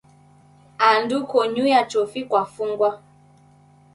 Andu konyuya chofi kwafungwa.